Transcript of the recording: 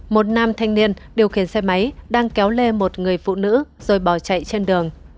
một nam thanh niên điều khiển xe máy đang kéo lê một người phụ nữ rồi bỏ chạy trên đường